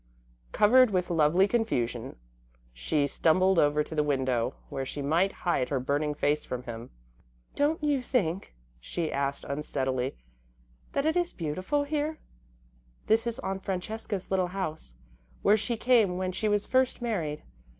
Covered with lovely confusion, she stumbled over to the window, where she might hide her burning face from him. "Don't you think," she asked, unsteadily, "that it is beautiful here? This is Aunt Francesca's little house, where she came when she was first married.